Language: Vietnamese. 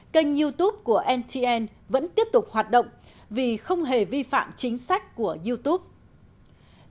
kênh youtube của ntn vẫn tiếp tục hoạt động vì không hề vi phạm chính sách của youtube